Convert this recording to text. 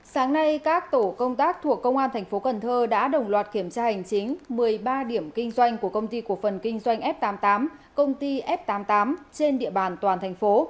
sáng nay các tổ công tác thuộc công an tp cn đã đồng loạt kiểm tra hành chính một mươi ba điểm kinh doanh của công ty cổ phần kinh doanh f tám mươi tám công ty f tám mươi tám trên địa bàn toàn thành phố